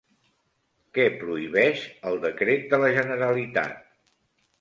Què prohibeix el decret de la Generalitat?